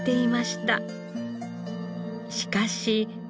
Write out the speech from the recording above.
しかし。